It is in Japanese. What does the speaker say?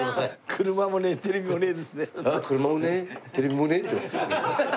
車もねえテレビもねえ。